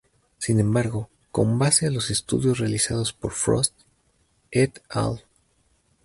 Sin embargo, con base a los estudios realizados por Frost "et al.